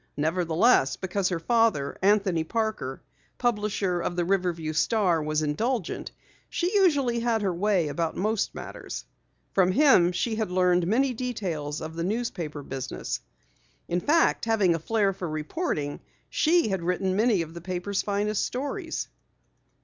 Nevertheless, because her father, Anthony Parker, publisher of the Riverview Star was indulgent, she usually had her way about most matters. From him she had learned many details of the newspaper business. In fact, having a flare for reporting, she had written many of the paper's finest stories.